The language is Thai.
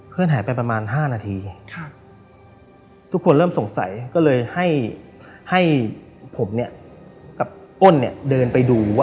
หายไปประมาณ๕นาทีทุกคนเริ่มสงสัยก็เลยให้ผมเนี่ยกับอ้นเนี่ยเดินไปดูว่า